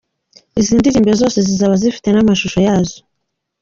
Izi ndirimbo zose zizaba zifite n’amashusho yazo.